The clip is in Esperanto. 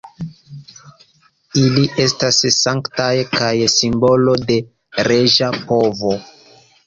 Ili estas sanktaj kaj simbolo de reĝa povo.